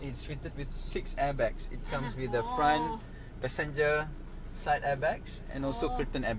ในครองเลี้ยนเหมือนกันนะ